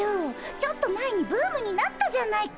ちょっと前にブームになったじゃないか。